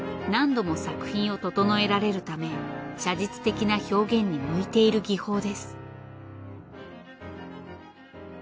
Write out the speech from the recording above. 何度も作品を整えられるため写実的な表現に向いている技法です。